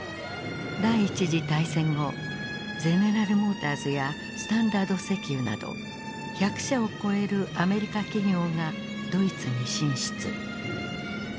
第一次大戦後ゼネラル・モーターズやスタンダード石油など１００社を超えるアメリカ企業がドイツに進出。